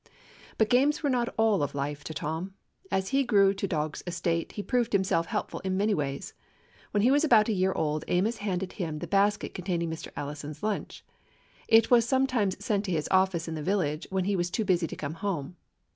But games were not all of life to Tom. As he grew to dog's estate, he proved himself helpful in many ways. When he was about a year old Amos handed him the basket con taining Mr. Allison's lunch. It was some times sent to his office in the village, when he was too busy to come home.